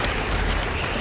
badai pasir meluap